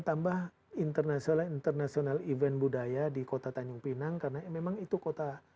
tambah international event budaya di kota tanjung pinang karena memang itu kota